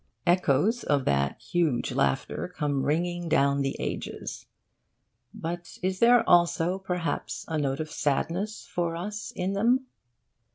Echoes of that huge laughter come ringing down the ages. But is there also perhaps a note of sadness for us in them?